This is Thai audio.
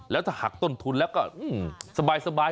แล้วถ้าหักต้นทุนแล้วก็สบาย